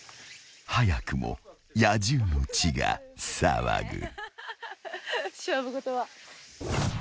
［早くも野獣の血が騒ぐ］